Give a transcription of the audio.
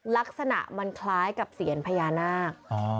ลักษณะมันคล้ายกับเสียญพญานาค